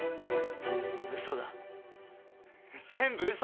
嘘だ全部嘘！